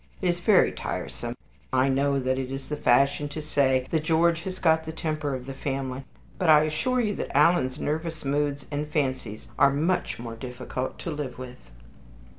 It is very tiresome. I know that it is the fashion to say that George has got the temper of the family; but I assure you that Alan's nervous moods and fancies are much more difficult to live with."